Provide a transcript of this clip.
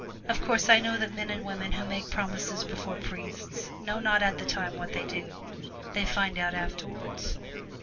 Of course, I know that men and women who make promises before priests know not at the time what they do; they find out afterwards.